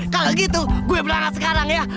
kalo gitu gue berlangat sekarang ya